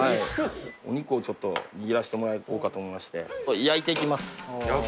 お肉をちょっと握らせてもらおうかと思いまして焼く？